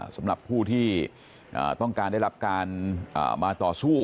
สำหรับผู้ที่ต้องการได้รับการมาต่อสู้